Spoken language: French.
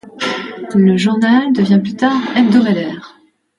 Le journal devient plus tard hebdomadaire.